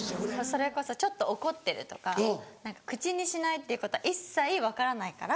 それこそちょっと怒ってるとか口にしないっていうことは一切分からないから。